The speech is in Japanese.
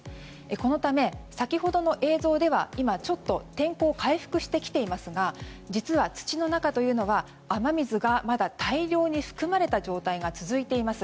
このため、先ほどの映像では今、ちょっと天候回復してきていますが実は、土の中というのはまだ雨水が大量に含まれた状態が続いています。